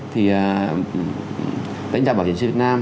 thì lãnh đạo bảo hiểm xã hội việt nam